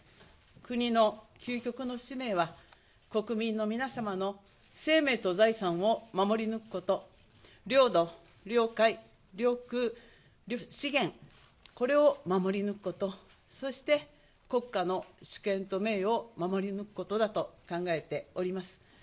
国の究極の使命は、国民の皆様の生命と財産を守り抜くこと、領土・領海・領空・資源、これを守り抜くこと、そして、国家の主権と名誉を守り抜くことだと考えております。